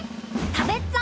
食べっぞ！